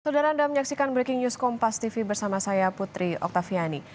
saudara anda menyaksikan breaking news kompas tv bersama saya putri oktaviani